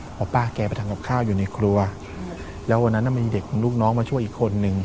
เพราะป้าแกไปทำกับข้าวอยู่ในครัวแล้ววันนั้นมีเด็กของลูกน้องมาช่วยอีกคนนึง